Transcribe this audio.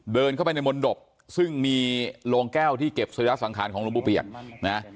เดินเข้าไปในมนตบซึ่งมีโรงแก้วที่เก็บสยสังขารของหลวงปู่เปียกนะ